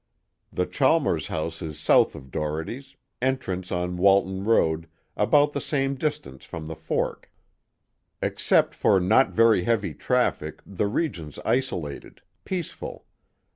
The Chalmers house is south of Dohertys' entrance on Walton Road about the same distance from the fork. Except for not very heavy traffic, the region's isolated. Peaceful.